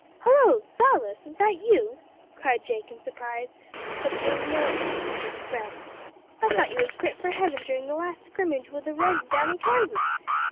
"Hullo! Silas, is that you?" cried Jake in surprise, but paying no attention to the threat, "I thought you had quit for Heaven durin' the last skrimidge wi' the Reds down in Kansas?